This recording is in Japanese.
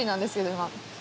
今。